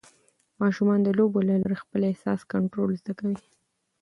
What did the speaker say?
ماشومان د لوبو له لارې د خپل احساس کنټرول زده کوي.